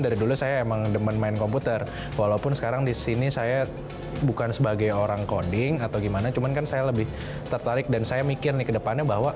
dari dulu saya emang demen main komputer walaupun sekarang di sini saya bukan sebagai orang coding atau gimana cuman kan saya lebih tertarik dan saya mikir nih ke depannya bahwa